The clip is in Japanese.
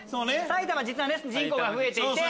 埼玉実は人口が増えていて。